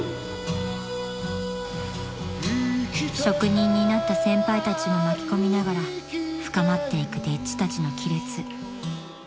［職人になった先輩たちも巻き込みながら深まっていく丁稚たちの亀裂］